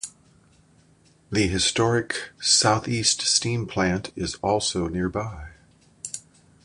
The historic Southeast Steam Plant is also nearby.